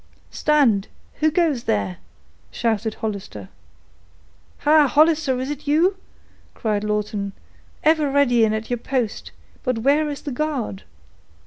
"Stand!—who goes there?" shouted Hollister. "Ha! Hollister, is it you?" cried Lawton, "ever ready and at your post; but where is the guard?"